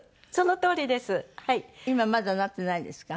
今まだなってないですか？